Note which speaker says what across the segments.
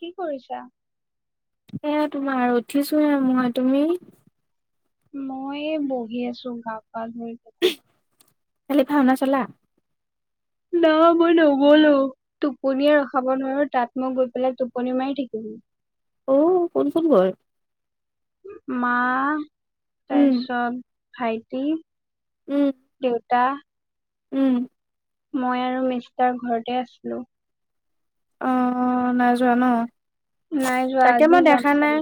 Speaker 1: কি কৰিছা?
Speaker 2: এয়া তোমাৰ উঠিছোহে মই, তুমি?
Speaker 1: মই বহি আছো গা পা ধুই পাই।
Speaker 2: কালি ভাওনা চালা?
Speaker 1: নাই মই নগলো, টোপনিয়ে ৰখাব নোৱাৰো তাত মই গৈ পেলাই টোপনি মাৰি থাকিম। উম [inaudible]
Speaker 2: অহ কোনচোন ঘৰ?
Speaker 1: মা
Speaker 2: উম
Speaker 1: তাৰপিছত ভাইটি,
Speaker 2: উম
Speaker 1: দেউত টা
Speaker 2: উম।
Speaker 1: মই আৰু মিষ্টাৰ ঘৰতে আছিলোঁ।
Speaker 2: অ নাই যোৱা ন,
Speaker 1: নাই যোৱা
Speaker 2: তাকে
Speaker 1: আজি
Speaker 2: মই
Speaker 1: যাম
Speaker 2: দেখা নাই?
Speaker 1: চাগে।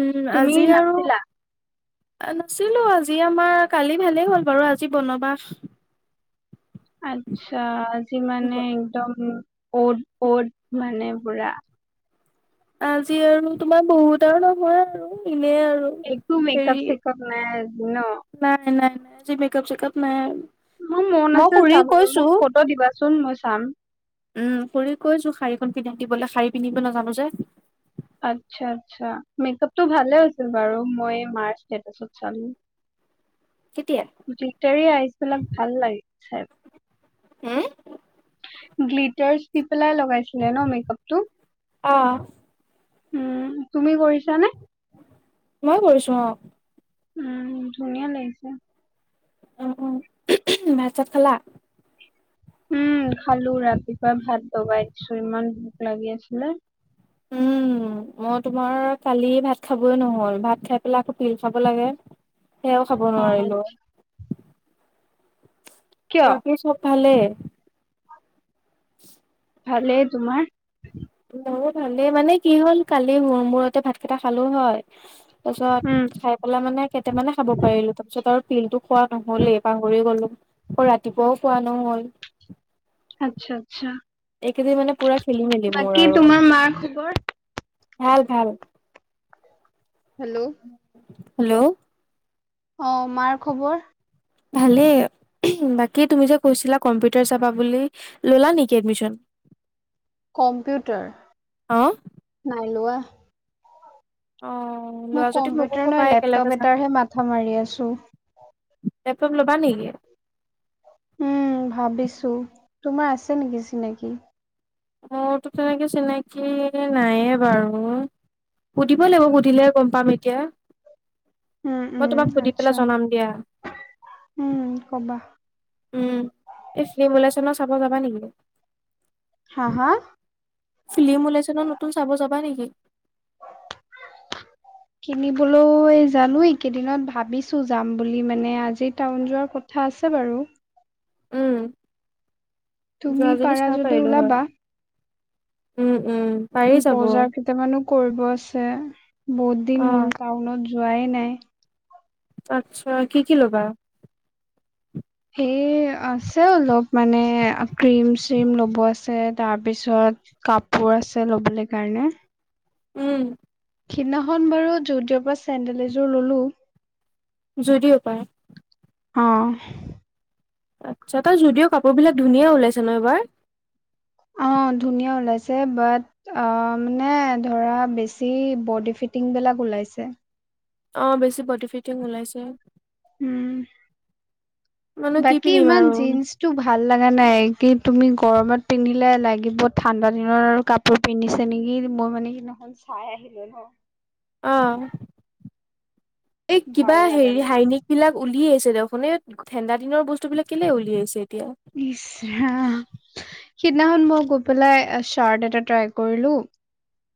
Speaker 2: উম
Speaker 1: তুমি
Speaker 2: আজি আৰু
Speaker 1: নাছিলা?
Speaker 2: নাছিলো আজি আমাৰ কালি ভালেই হ'ল বাৰু আজি বনবাস
Speaker 1: আচ্ছা, আজি মানে একদম অত তত মানে পুৰা
Speaker 2: আজি আৰু তোমাৰ বহুত আৰু নহয় আৰু এনে আৰু
Speaker 1: একো মেকআপ
Speaker 2: হেৰি
Speaker 1: চেকআপ নাই আজি ন?
Speaker 2: নাই, নাই, নাই। আজি মেকআপ, চেকআপ নাই।
Speaker 1: মোৰ মন
Speaker 2: মই
Speaker 1: আছে
Speaker 2: খুৰীক
Speaker 1: চাবলৈ,
Speaker 2: কৈছো
Speaker 1: মোক ফটো দিবাচোন মই চাম।
Speaker 2: উম, খুৰি কৈছোঁ! শাৰীখন পিন্ধাই দিবলে, শাৰী পিন্ধিব নাজানোঁ যে।
Speaker 1: আচ্ছা, আচ্ছা। মেকআপটো ভালে আছিল বাৰু, মই মাৰ ষ্টেটাচত চালোঁ।
Speaker 2: [unintelligible]
Speaker 1: গিটাৰী আইচবিলাক ভাল লাগিছে।
Speaker 2: হু!
Speaker 1: গ্লিটাৰ দি পেলাই লগাইছিলে ন মেকআপটো?
Speaker 2: অ
Speaker 1: উম তুমি কৰিছানে?
Speaker 2: মই কৰিছো অ।
Speaker 1: উম, ধুনীয়া লাগিছে।
Speaker 2: অ, উহ উহুম ভাত - চাত খালা?
Speaker 1: উম খালো, ৰাতিপুৱা ভাত দবাই দিছো, ইমান ভোক লাগি আছিলে।
Speaker 2: উম। মই তোমাৰ কালি ভাত খাবই নহল, ভাত খাই পেলাই আকৌ পিল খাব লাগে। সেয়াও খাব
Speaker 1: অ
Speaker 2: নোৱাৰিলো।
Speaker 1: কিয়
Speaker 2: বাকি চব ভালে?
Speaker 1: ভালে, তোমাৰ?
Speaker 2: ময়ো ভালেই মানে কি হ'ল কালি মূৰতে ভাত কেইটা খালো হয়
Speaker 1: উম
Speaker 2: তাৰপিছত খাই পেলাই মানে কেইটামানে খাব পাৰিলো। তাৰপিছত আৰু পিলটো খোৱা নহলেই, পাহৰি গলো আৰু ৰাতিপুৱাও খোৱা নহল।
Speaker 1: আচ্ছা আচ্ছা।
Speaker 2: এইকেইদিন মানে পুৰা খেলি মেলি মোৰ
Speaker 1: বাকী
Speaker 2: আৰু
Speaker 1: তোমাৰ মাৰ খবৰ?
Speaker 2: ভাল ভাল।
Speaker 1: হেল্ল'?
Speaker 2: হেল্ল'!
Speaker 1: অ'! মাৰ খবৰ?
Speaker 2: ভালেই। বাকী তুমি যে কৈছিলা! কম্পিউটাৰ যাবা বুলি, ল'লা নেকি এডমিশ্যন? [inaudible]
Speaker 1: কম্পিউটাৰ, নাই লোৱা।
Speaker 2: অ
Speaker 1: মই
Speaker 2: লোৱা যদি মোকো
Speaker 1: কম্পিউটাৰ
Speaker 2: কবা
Speaker 1: নহয়,
Speaker 2: একেলগে
Speaker 1: লেপটপ
Speaker 2: যাম
Speaker 1: এটাৰহে মাথা মাৰি আছোঁ।
Speaker 2: লেপটপ ল'বা নেকি?
Speaker 1: উম, ভাবিছোঁ। তোমাৰ আছে নেকি চিনাকি?
Speaker 2: মোৰতো তেনেকে চিনাকি নাইয়ে বাৰু। সুধিব লাগিব, সুধিলে গম পাম এতিয়া।
Speaker 1: উম,
Speaker 2: মই
Speaker 1: উম,
Speaker 2: তোমাক সুধি পেলাই
Speaker 1: আচ্ছা।
Speaker 2: জনাম দিয়া
Speaker 1: উম, ক'বা?
Speaker 2: উম এই ফিল্ম ওলাইছে চাব যাবা নেকি?
Speaker 1: হা! হা!
Speaker 2: ফিল্ম ওলাইছে নহয়, নতুন চাব যাবা নেকি?
Speaker 1: কিনিবলৈ, জানোঁ এইকেইদিনত ভাবিছোঁ যাম বুলি, মানে, আজি টাউন যোৱাৰ কথা আছে। আছে বাৰু।
Speaker 2: উম,
Speaker 1: তুমি
Speaker 2: যোৱা যদি
Speaker 1: পাৰা
Speaker 2: চাব পাৰিলোঁ হয়।
Speaker 1: ওলাবা
Speaker 2: উম! উম পাৰি যাব
Speaker 1: বজাৰ কেইটামানো কৰিব আছে। আছে। বহুত দিন
Speaker 2: অ
Speaker 1: হ'ল টাউনত যোৱাই নাই।
Speaker 2: আচ্ছা, কি কি ল'বা?
Speaker 1: হে আছে। অলপ মানে, ক্ৰীম চ্ৰীম ল'ব আছে। তাৰপিছত, কাপোৰ অ'! আছে ল'বলৈ কাৰণে।
Speaker 2: উম।
Speaker 1: সিদিনাখন বাৰু যদিও পৰা চেণ্ডেল এযোৰ ললো।
Speaker 2: যদিও পায়।
Speaker 1: অ
Speaker 2: আচ্ছা তাৰ যদিও কাপোৰ বিলাক ধুনীয়া ওলাইছে ন এইবাৰ [inaudible]
Speaker 1: অ', ধুনীয়া উলাইছে, বাত আঁ মানে, ধৰা বডি ফিটিং বিলাক ওলাইছে।
Speaker 2: অ'! বেছি বডি ফিটিং ওলাইছে।
Speaker 1: উম,
Speaker 2: মানে কি
Speaker 1: বাকী
Speaker 2: পিন্ধিম
Speaker 1: ইমান
Speaker 2: আৰু
Speaker 1: জিন্স টো ভাল লগা নাই! কি তুমি গৰমত পিন্ধিলে লাগিব। ঠাণ্ডা দিনৰ কাপোৰ পিন্ধিছে নেকি, মোৰ মানে কি নহৈ চাই আহিলোঁ ন'!
Speaker 2: অ'! এই, কিবা
Speaker 1: ভাল লগা
Speaker 2: হেৰি
Speaker 1: নাই।
Speaker 2: হাইনেক বিলাক উলিয়াই দেখোন এ, ঠাণ্ডা দিনৰ বস্তু বিলাক কেলে উলিয়াইছে? এতিয়া
Speaker 1: ইছ ৰাম! সিদিনাখন মই গৈ পেলাই শাৰ্ট এটা ট্ৰাই কৰিলোঁ।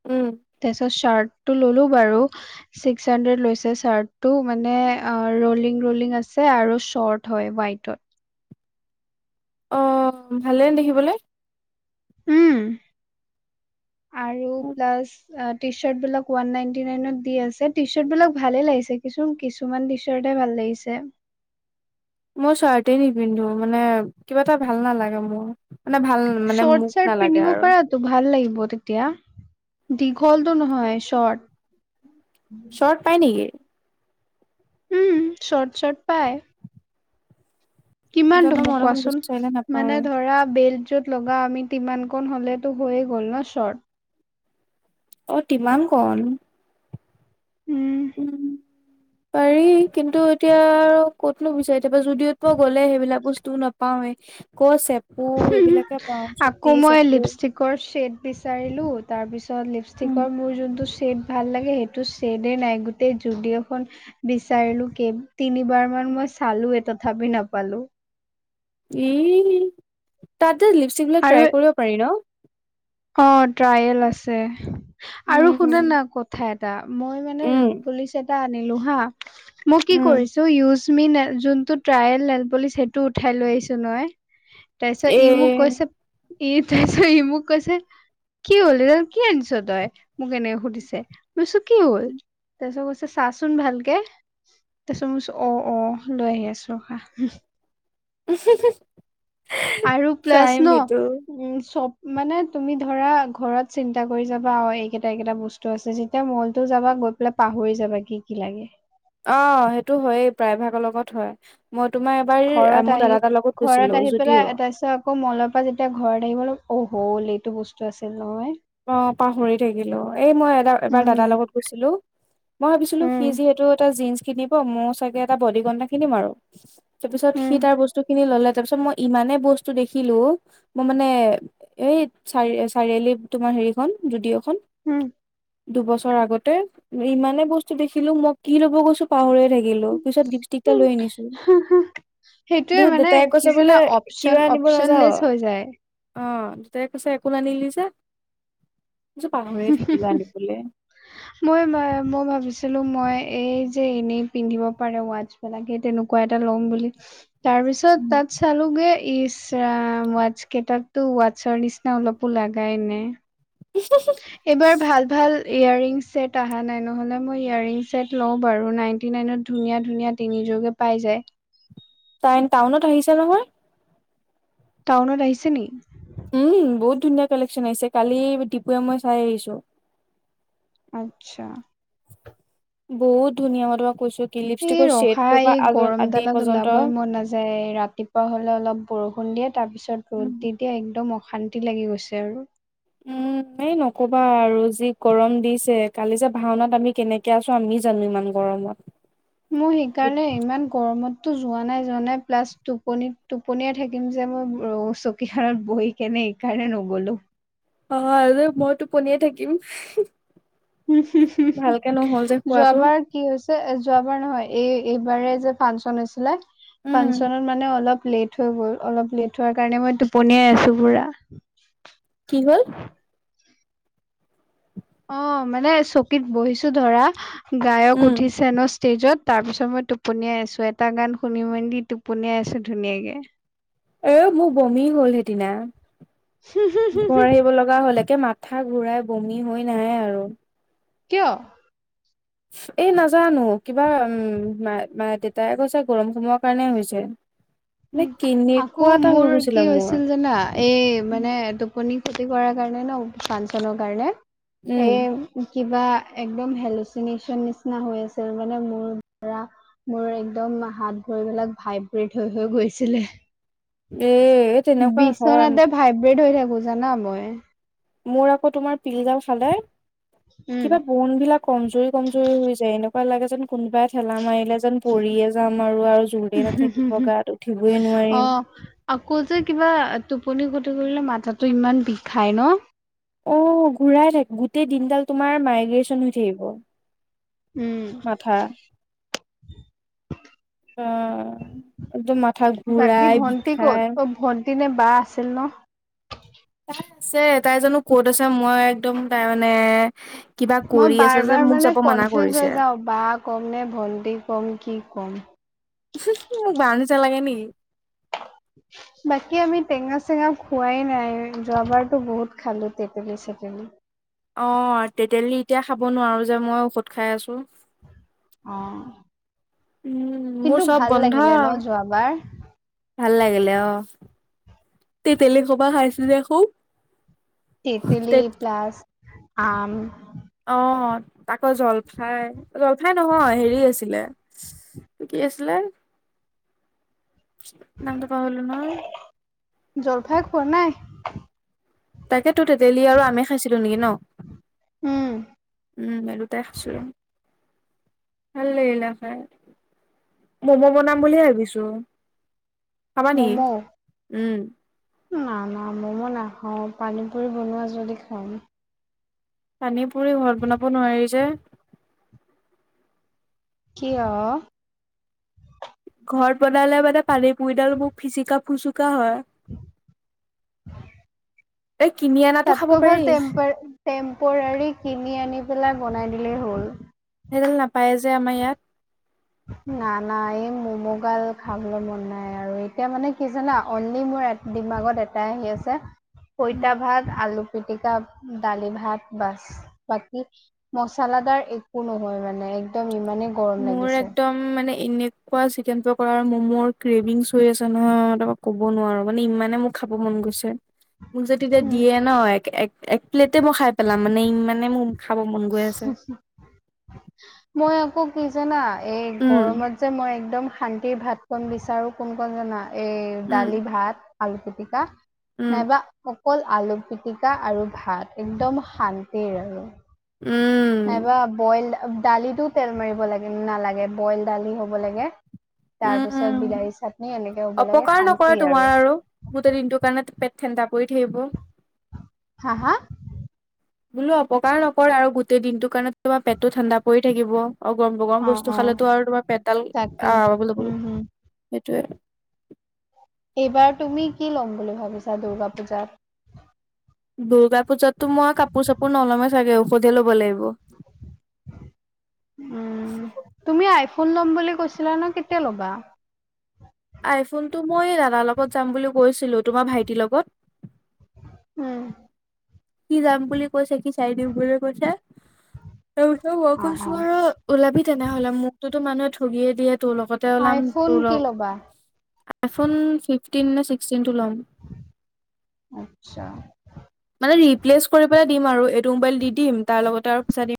Speaker 2: উম
Speaker 1: তাৰপিছত শাৰ্টটো ল'লো। বাৰু ছিক্স হান্দ্ৰেত লৈছে শাৰ্টটো। মানে, ৰোলিং ৰোলিং আছে আৰু চৰ্ট হয়, হোৱাইটত।
Speaker 2: অ'! ভালে দেখিবলৈ।
Speaker 1: উম আৰু প্লাছ আঁ টি শাৰ্টবিলাক ওৱান নাইন্টি নাইনত দি আছে। টি চাৰ্ট বিলাক ভালে লাগিছে! কিছু, কিছুমান টি চাৰ্ট ভাল লাগিছে!
Speaker 2: মই শাৰ্টেই নিপিন্ধো। মানে, কিবা এটা ভাল নালাগে মোৰ! মানে ভাল মানে
Speaker 1: চৰ্ট
Speaker 2: মোক
Speaker 1: শাৰ্ট
Speaker 2: নালাগে
Speaker 1: পিন্ধিব
Speaker 2: আৰু
Speaker 1: পাৰাতো? ভাল লাগিব। হ'ব তেতিয়া। দীঘলটো নহয় চৰ্ট।
Speaker 2: শৰ্ট পাই নেকি
Speaker 1: উম শৰ্ট চৰ্ট পাই। কিমান ত
Speaker 2: জানো
Speaker 1: মোক
Speaker 2: মই দেখোন
Speaker 1: কোৱাচোন
Speaker 2: বিচাৰিলে নাপাওঁৱে
Speaker 1: মানে ধৰা বেল 'ত লগা আমি তিমান কণ হ'লেতো হৈয়ে গ'ল ন শ্বৰ্ট।
Speaker 2: অ তিমান কণ উ
Speaker 1: শৰ্ট
Speaker 2: পাৰি কিন্তু এতিয়া আৰু ক'তনো বুজাই কো যুদিওত গ'লে সেইবিলাক বস্তুও নাপাওৱে ক চ
Speaker 1: আকৌ মই লিপষ্টিকৰ শ্বেট বিচাৰিলো। তাৰ পিছত
Speaker 2: উম
Speaker 1: লিপষ্টিকৰ মোৰ যোনটো ছেদ ভাল লাগে সেইটো ছেদে নাই গোটেই যুদিঅ খন বিচাৰিলো তিনিবাৰ মান মই চালোৱে তথাপি নাপালো।
Speaker 2: এ তাতে লিপষ্টিক
Speaker 1: আৰু
Speaker 2: ট্ৰাই কৰিব পাৰি ন
Speaker 1: অ ট্ৰায়েল আছে আৰু
Speaker 2: উম,
Speaker 1: শুনা না কথা এটা মই মানে
Speaker 2: উম,
Speaker 1: পুলিচ এটা আনিলোঁ হা মই কি
Speaker 2: উম,
Speaker 1: কৰিছোঁ ইউজ তুমি যোনটো ট্ৰায়েল নেতপলিছ সেইটো উঠাই লৈ আহিছো নহয়। তাৰপিছত
Speaker 2: এ
Speaker 1: ই মোক কৈছে এ তইছ ই মোক কৈছে কি হল ত কি আনিছ তই মোক এনেক সুধিছে মই কৈছো কি হল তাৰপিছত কৈছে চাচোন ভালকে তাৰপছত ম অ অ লৈ আহি আছো খা
Speaker 2: উ
Speaker 1: আৰু প্লাছ ন উ চব মানে তুমি ধৰা ঘৰত চিন্তা কৰি যাবা অ এইকেইটা এই কেইটা বস্তু আছে যেতিয়া মলতো যাবা গৈ পেলাই পাহৰি যাবা কি কি লাগে।
Speaker 2: অ সেইটো হয়েই প্ৰায় ভাগৰ লগত হয় মই তোমাৰ এবাৰ
Speaker 1: ঘৰত
Speaker 2: মোৰ
Speaker 1: আহি
Speaker 2: দাদা এটাৰ লগত গৈছিলো
Speaker 1: ঘৰত আহি
Speaker 2: যদিও
Speaker 1: পেলাই তাৰ পিছত আকৌ মলৰ পৰা যেতিয়া ঘৰত আহিব ল অ হ''ল এইটো বস্তু আছিল নহয়
Speaker 2: অ পাহৰি থাকিলো এই মই এ এবাৰ
Speaker 1: উম
Speaker 2: দাদাৰ লগত গৈছিলো মই ভাবিছিলো সি
Speaker 1: উম
Speaker 2: যিহেতু এটা জিন্স কিনিব মই চাগে এটা বডিগন্ট এটা কিনিম আৰু তাৰপিছত
Speaker 1: উম
Speaker 2: সি তাৰ বস্তু খিনি ল'লে তাৰ পিছত মই ইমানে বস্তু দেখিলো মই মানে এই চাৰি চাৰিআলি তোমাৰ হেৰিখন যদি'অখন
Speaker 1: হম
Speaker 2: দুবছৰ আগতে ইমানে বস্তু দেখিলো মই কি ল'ব গৈছো পাহৰিএ থাকিলো পিছত গিফ্টি কিটা
Speaker 1: উম
Speaker 2: লৈ আনিছো।
Speaker 1: উম
Speaker 2: দে
Speaker 1: সেইটোয়ে মানে
Speaker 2: দেউতাই
Speaker 1: কি
Speaker 2: কৈছে
Speaker 1: জানা
Speaker 2: বোলে
Speaker 1: অপচন
Speaker 2: কিবা আনিব
Speaker 1: অপচন
Speaker 2: নাযাও?
Speaker 1: লেচ হৈ যায়।
Speaker 2: অ দুটাই কৈছে একো নানিলি যে? পাহৰিয়ে থাকিলো আনিবলে।
Speaker 1: মই ম মই ভাবিছিলো মই এই যে এনেই পিন্ধিব পাৰে ৱাচছ বিলাকে তেনেকুৱা এটা ল'ম বুলি তাৰ পিছত তাত চালোগে ই ৱাচ কেইটাতো ৱাচৰ নিচিনা অলপো লগাই নাই। এইবাৰ ভাল -ভাল ইয়াৰৰিং ছেট অহা নাই নহ'লে মই ইয়াৰৰিং ছেট লওঁ বাৰু নাইণ্টি নাইনত ধুনীয়া ধুনীয়া তিনিটা যোগে পাই যায়।
Speaker 2: [inaudible] টাউনত আহিছে নহয়।
Speaker 1: টাউনত আহিছে নি?
Speaker 2: উম বহুত ধুনীয়া কালেকচ'ন আহিছে কালি তিপুৱে মই চাই আহিছো।
Speaker 1: আচ্ছা
Speaker 2: বহুত ধুনীয়া হয় তোমাক কৈছো কি
Speaker 1: এই
Speaker 2: লিপষ্টিকৰ
Speaker 1: ৰহা
Speaker 2: শ্বেডটোৰ পৰা
Speaker 1: এই গৰম
Speaker 2: আদি
Speaker 1: দালত
Speaker 2: পৰ্যন্ত
Speaker 1: ওলাবই মন নাযায় ৰাতিপুৱা হলে অলপ বৰষুণ দিয়ে তাৰ পিছত
Speaker 2: উম
Speaker 1: ৰ'দ দি দিয়ে একদম অশান্তি লাগি গৈছে আৰু।
Speaker 2: উম এ নকবা আৰু যি গৰম দিছে কালি যে ভাওনাত আমি কেনেকে আছো আমি জানো ইমান গৰম [unintelligible]
Speaker 1: মোৰ সেইকাৰণে ইমান গৰমত তো যোৱা নাই যোৱা নাই প্লাছ টোপনি টোপনিয়াই থাকিম যে মই চকী খনত বহি কিনে এইকাৰণে নগ'লো।
Speaker 2: অ আৰু মই টোপনিয়াই থাকিম। ভালকে নহ'ল যে খোৱাটো
Speaker 1: যোৱাবাৰ কি হৈছে যে যোৱাবাৰ নহয় এই এইবাৰে যে ফাংচন আছিলে
Speaker 2: উম
Speaker 1: ফাংচনত মানে অলপ লেট হৈ গ'ল অলপ লেট হোৱাৰ কাৰণে মই টোপনিয়াই আছো পুৰা।
Speaker 2: কি হ'ল?
Speaker 1: অ মানে চকীত বহিছো ধৰা গায়ক
Speaker 2: উম
Speaker 1: উঠিছে ন ষ্টেজত তাৰ পিছত মই টোপনিয় আছো এটা গান শুনি মেদি টোপনিয়াই আছো ধুনীয়াকে।
Speaker 2: এ মোৰ বমি হ'ল সেইদিনা। ঘৰ আহিব লগা হ'ল এক একে মাথা ঘূৰাই বমি হৈ নাই আৰু।
Speaker 1: কিয়?
Speaker 2: এই নাজানো কিবা উম মা দেউতাই কৈছে গৰম সোমোৱাৰ কাৰণে হৈছে।
Speaker 1: উ
Speaker 2: মানে
Speaker 1: আকৌ
Speaker 2: কেনেকুৱা এটা হৈ
Speaker 1: মোৰ কি
Speaker 2: গৈছিলে মোৰ
Speaker 1: হৈছিল জানা এই মানে টোপনি খ'তি কৰাৰ কাৰণে ন ফাংচনৰ কাৰণে
Speaker 2: উম
Speaker 1: এই কিবা একদম হে'লচিনেচন নিচিনা হৈ আছিল মানে মোৰ দৰা মোৰ একদম হাত ভৰিবেলাক ভাইব্ৰেট হৈ হৈ গৈছিলে।
Speaker 2: এ তেনেকুৱা হয়
Speaker 1: বিচনাতে ভাইব্ৰেট হৈ থাকো জানা মই।
Speaker 2: মোৰ আকৌ তোমাৰ পি'ল গাল খালে
Speaker 1: উম।
Speaker 2: কিবা বন বিলাক কমজুৰি কমজুৰি হৈ যায় এনেকুৱা লাগে যেন কোনোবাই ঠেলা মাৰিলে যেন পৰিয়ে যাম আৰু আৰু জোৰে
Speaker 1: হম
Speaker 2: নাথাকিব
Speaker 1: হ
Speaker 2: গাত উঠিবই নোৱাৰিম
Speaker 1: অ আকৌ যে কিবা টোপনি খ কৰিলে মাথাটো ইমান বিষাই ন।
Speaker 2: অ ঘূৰাই থাক গোটেই দিনডাল তোমাৰ মাইগ্ৰে্যন হৈ
Speaker 1: উম
Speaker 2: থাকিব। মাথা অ একদম মাথা
Speaker 1: [inaudible] বাকী
Speaker 2: ঘূৰাই
Speaker 1: ভণ্টি ক'ত
Speaker 2: বিষাই
Speaker 1: অ ভণ্টি নে বা আছিল ন
Speaker 2: তাই আছে তাই জানো ক'ত আছে মই একদম তাই মানে কিবা
Speaker 1: মই
Speaker 2: কৰি আছে
Speaker 1: বাৰ
Speaker 2: যে
Speaker 1: বাৰ
Speaker 2: মোক
Speaker 1: মানে
Speaker 2: যাব মানা
Speaker 1: কনফিউজ
Speaker 2: কৰিছে
Speaker 1: হৈ যাও বা কম নে ভন্টি কম কি ক কম
Speaker 2: মোক বা নিচিনা লাগে নেকি
Speaker 1: বাকী আমি টেঙা চেঙা খোৱাই নাই যোৱাবাৰতো বহুত খালো তেতেলী চেতেলী
Speaker 2: অ তেতেলি এতিয়া খাব নোৱাৰো যে মই ঔষধ খাই আছো
Speaker 1: অ
Speaker 2: উম মোৰ চব বন্ধ
Speaker 1: যোৱাবাৰ
Speaker 2: ভাল লাগিলে অ তেতেলি সোপা খাইছিলি যে খুব
Speaker 1: তেতেলি
Speaker 2: তে
Speaker 1: প্লাছ আম
Speaker 2: অ আকৌ জলফাই জলফাই নহয় হেৰি আছিলে কি আছিলে নামটো পাহৰিলো নহয়।
Speaker 1: জলফাই খোৱা নাই।
Speaker 2: তাকে তো তেতেলী আৰু আমে খাইছিলো নেকি ন
Speaker 1: উম
Speaker 2: উম এই দুটাই খাইছিলো। ভাল লাগিলে খাই ম'ম' বনাম বুলি ভাবিছো। খাবা নেকি
Speaker 1: ম'ম'
Speaker 2: উম
Speaker 1: না না মম নাখাওঁ পানী পুৰি বনোৱা যদি খাম।
Speaker 2: পানী পুৰি ঘৰত বনাব নোৱাৰি যে
Speaker 1: কিয়?
Speaker 2: ঘৰত বনালে মানে পানী পুৰিডাল মোক ফিচিকা ফুচুক কা হয় এই কিনি অনাতো খাব
Speaker 1: তাতকৈ
Speaker 2: পাৰি
Speaker 1: ভাল টেম্প টেম্পোৱাৰী কিনি আনি পেলাই বনাই দিলেই হ'ল।
Speaker 2: সেইডাল নাপায় যে আমাৰ ইয়াত
Speaker 1: নাই নাই এই মম' গাল খাবলৈ মন নাই আৰু এতিয়া মানে কি জানা অনলি মোৰ দিমাগত এটাই আহি আছে
Speaker 2: উম
Speaker 1: পইতা ভাত আলু পিটিকা দালি ভাত বচ বাকি মচলাদাৰ একো নহয় মানে একদম ইমানেই গৰম
Speaker 2: মোৰ
Speaker 1: লাগিছে
Speaker 2: একদম মানে এনেকুৱা চিকেন প কৰা ম'ম'ৰ ক্ৰেভিংছ হৈ আছে নহয় তাৰ ক'ব নোৱাৰো মানে ইমানে মোৰ খাব মন গৈছে। মোক যদি এতিয়া
Speaker 1: উম
Speaker 2: দিয়ে ন এক এক এক প্লেটে মই খাই পেলাম মানে ই মানে মোৰ খাব মন গৈ আছে
Speaker 1: মই আকৌ কি জানা এই
Speaker 2: উম
Speaker 1: গৰমত যে মই একদম শান্তিৰ ভাত কন বিচাৰো কোন কণ জানা এই
Speaker 2: উম
Speaker 1: দালি ভাত আলু পিটিকা
Speaker 2: উম
Speaker 1: নাইবা। অকল আলু পিটিকা আৰু ভাত একদম শান্তিৰ আৰু
Speaker 2: উম
Speaker 1: নাইবা বইল দালিতো তেল মাৰিব লাগে নালাগে বইল দালি হ'ব লাগে। তাৰ পিছত
Speaker 2: উম
Speaker 1: বিলাহী চাটনি এনেকে হ'ব লাগে
Speaker 2: অপকাৰ
Speaker 1: শান্তি
Speaker 2: নকৰে তোমাৰ আৰু গোটেই দিনটোৰ কাৰণে পেট ঠেণ্ডা পৰি থাকিব।
Speaker 1: হা হা
Speaker 2: বোলো অপকাৰ নকৰৰে আৰু গোটেই দিনটো কাৰণে তোমাৰ পেটটো ঠাণ্ডা পৰি থাকিব। অ গৰম গৰম
Speaker 1: অ
Speaker 2: বস্তু
Speaker 1: অ
Speaker 2: খালেতো আৰু তোমাৰ পেটডাল
Speaker 1: তাকেই
Speaker 2: আ গুলো গুলো
Speaker 1: উম হম
Speaker 2: সেইটোৱে
Speaker 1: এইবাৰ তুমি কি ল'ম বুলি ভাবিছা দূৰ্গা পূজাত?
Speaker 2: দুৰ্গা পূজাতো মই কাপোৰ চাপোৰ নলমে চাগে, ঔষধে ল'ব লাগিব।
Speaker 1: উম, তুমি আই- ফোন ল'ম বুলি কৈছিলে ন, কেতিয়া ল'বা?
Speaker 2: আইফোনটো মই দাদাৰ লগত যাম বুলি কৈছিলো তোমাৰ ভাইটিৰ লগত
Speaker 1: উম।
Speaker 2: কি যাম বুলি কৈছে কি চাই দিম বুলি কৈছে। ত মই
Speaker 1: অ',
Speaker 2: কৈছো
Speaker 1: অ',
Speaker 2: আৰু ওলাবি তেনেহলে। মোকো তো মানুহে ঠগিয়ে দিয়ে। তোৰ লগতে ওলাম
Speaker 1: আইফোন
Speaker 2: তোৰ
Speaker 1: কি
Speaker 2: লগ
Speaker 1: ল'বা?
Speaker 2: আইফোন ফিফটিন ন ছিক্সটিন টো ল'ম।
Speaker 1: আচ্ছা।
Speaker 2: মানে ৰিপ্লেচ কৰি পেলাই দিম আৰু এইটো মোবাইল দি দিম তাৰ লগতে আৰু পইছা দিম।